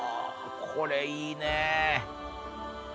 これいいね！